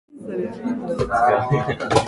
いよいよ天城峠が近づいたと思うころ